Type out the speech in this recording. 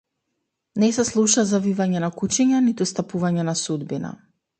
Не се слуша завивање на кучиња ниту стапување на судбина.